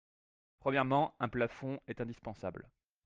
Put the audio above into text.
Premièrement, un plafond est indispensable.